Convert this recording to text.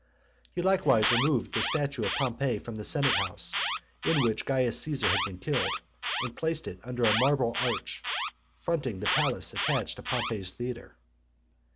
He likewise removed the statue of Pompey from the senate house, in which Caius Caesar had been killed, and placed it under a marble arch, fronting the palace attached to Pompey's theatre.